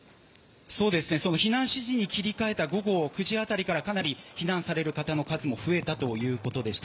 避難指示に切り替えて午後９時辺りからかなり避難される方の数も増えたということでした。